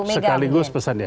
sekaligus pesan ya